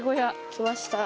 来ました。